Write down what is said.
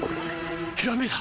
ひらめいた！